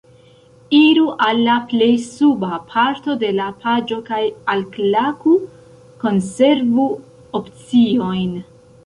Iru al la plej suba parto de la paĝo kaj alklaku "konservu opciojn"